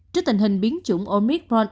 trước tình hình biến chủng omicron